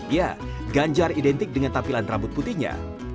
ya ganjar identik dengan tampilan rambut putihnya